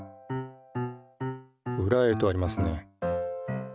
「ウラへ」とありますね。